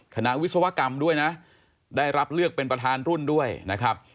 วิศวกรรมด้วยนะได้รับเลือกเป็นประธานรุ่นด้วยนะครับ